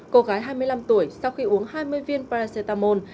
cô gái hai mươi năm tuổi sau khi uống hai mươi viên paracetamol